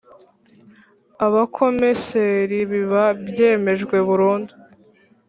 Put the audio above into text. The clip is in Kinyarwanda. Abakomeseri biba byemejwe burundu